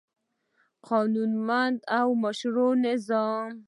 قانونمند او مشروع نظام